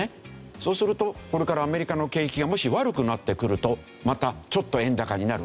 そうするとこれからアメリカの景気がもし悪くなってくるとまたちょっと円高になるかもしれない。